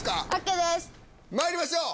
まいりましょう！